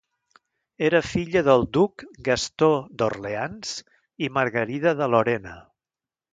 Era filla del duc Gastó d'Orleans i Margarida de Lorena.